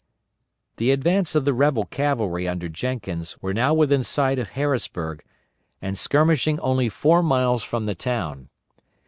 The advance of the rebel cavalry under Jenkins were now within sight of Harrisburg, and skirmishing only four miles from the town.